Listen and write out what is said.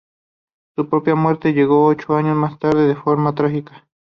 Su propia muerte llegó ocho años más tarde de forma trágica.